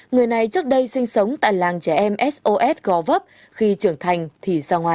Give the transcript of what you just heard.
người này trước đây sinh sống tại làng trẻ em sos gò vấp khi trưởng thành thì ra ngoài